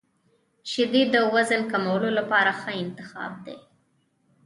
• شیدې د وزن کمولو لپاره ښه انتخاب دي.